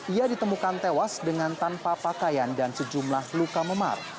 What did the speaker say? ia ditemukan tewas dengan tanpa pakaian dan sejumlah luka memar